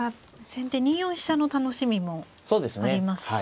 先手２四飛車の楽しみもありますし。